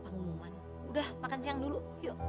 aku mau ngomong apa ngomongan udah makan siang dulu yuk